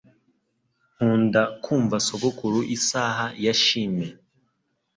Nkunda kumva sogokuru isaha ya chime.